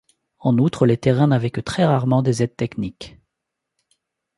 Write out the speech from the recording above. En outre les terrains n’avaient que très rarement des aides techniques.